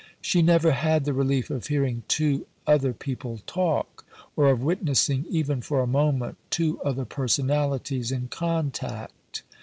She never had the relief of hearing two other people talk, or of witnessing, even for a moment, two other personalities in contact.